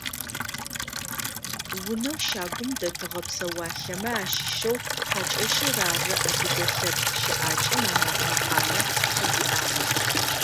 Унэу щагум дэтыгъэ псэуалъэмэ ащыщэу хьакӏэщыр ары адыгэ лъэпкъ щыӏакӏэм анахь мэхьанэ щызиӏагъэр.